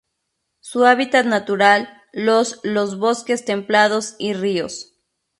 Su hábitat natural los los bosques templados y ríos.